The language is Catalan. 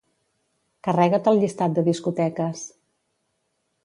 Carrega't el llistat de discoteques.